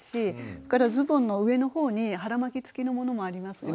それからズボンの上の方に腹巻き付きのものもありますので。